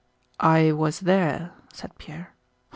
"I was there," said Pierre.